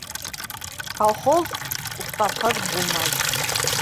Колхоз уставһыҙ булмай.